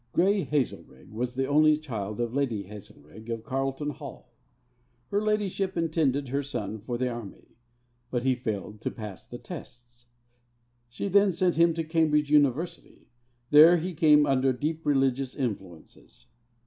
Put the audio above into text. Grey Hazelrigg was the only child of Lady Hazelrigg, of Carlton Hall. Her ladyship intended her son for the army, but he failed to pass the tests. She then sent him to Cambridge University. There he came under deep religious influences.